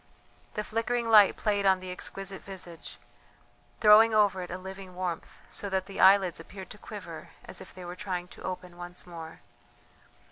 The flickering light played on the exquisite visage, throwing over it a living warmth, so that the eyelids appeared to quiver as if they were trying to open once more.